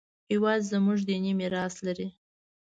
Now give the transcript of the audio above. هېواد زموږ دیني میراث لري